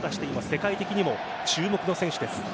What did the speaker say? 世界的にも注目の選手です。